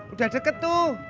udah deket tuh